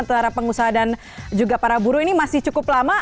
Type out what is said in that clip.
antara pengusaha dan juga para buruh ini masih cukup lama